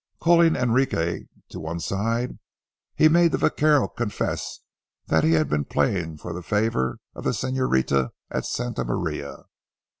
Calling Enrique to one side, he made the vaquero confess that he had been playing for the favor of the señorita at Santa Maria.